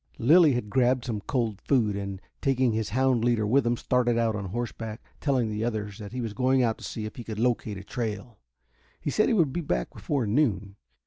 Lilly had grabbed some cold food, and, taking his hound leader with him, started out on horseback, telling the others that he was going out to see if he could locate a trail. He said he would be back before noon.